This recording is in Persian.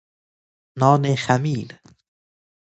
نان خمیر